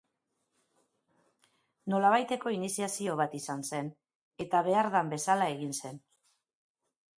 Nolabaiteko iniziazio bat izan zen, eta behar den bezala egin zen.